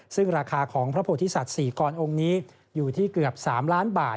ซึ่งราคาของพระโพธิสัตว์๔กรองค์นี้อยู่ที่เกือบ๓ล้านบาท